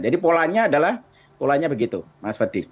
jadi polanya adalah polanya begitu mas faddi